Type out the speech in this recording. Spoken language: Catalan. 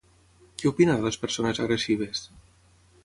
Què opina de les persones agressives?